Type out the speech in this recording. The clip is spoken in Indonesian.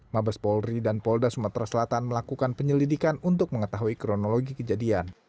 mabes polri dan polda sumatera selatan melakukan penyelidikan untuk mengetahui kronologi kejadian